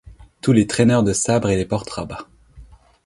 Tous les traîneurs de sabre et les porte-rabats